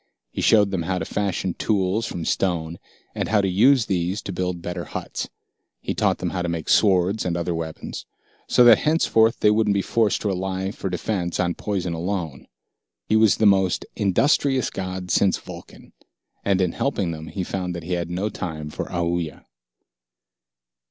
He showed them how to fashion tools from stone and how to use these to build better huts. He taught them how to make swords and other weapons, so that henceforth they wouldn't be forced to rely for defense on poison alone. He was the most industrious god since Vulcan. And in helping them he found that he had no time for Aoooya.